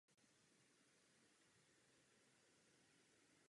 Trávník je také prvek zahradní architektury používaný v sadovnické tvorbě.